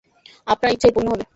আপনার ইচ্ছাই পূর্ণ হবে!